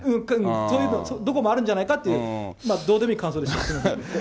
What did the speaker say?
ーどこもあるんじゃないかっていう、どうでもいい感想です。